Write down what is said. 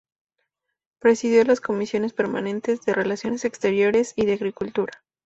Presidió las comisiones permanentes de Relaciones Exteriores; y de Agricultura.